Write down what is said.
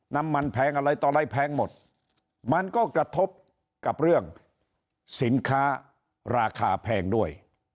แพงอะไรต่ออะไรแพงหมดมันก็กระทบกับเรื่องสินค้าราคาแพงด้วย